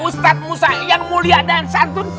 ustadz musang yang mulia dan santun